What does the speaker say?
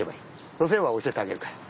そうすればおしえてあげるから。